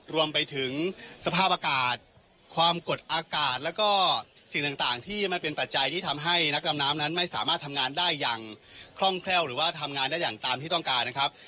รวมไปถึงสภาพอากาศความกดอากาศแล้วก็สิ่งต่างที่มันเป็นปัจจัยที่ทำให้นักดำน้ำนั้นไม่สามารถทำงานได้อย่างคล่องแคล่วหรือว่าทำงานได้อย่างตามที่ต้องการนะครับ